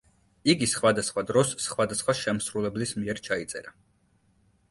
იგი სხვადასხვა დროს სხვადასხვა შემსრულებლის მიერ ჩაიწერა.